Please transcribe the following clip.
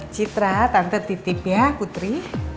citra tante titip ya kutri